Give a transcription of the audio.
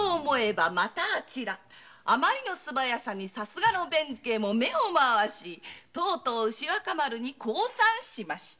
「あまりの素早さに弁慶も目を回しとうとう牛若丸に降参しました。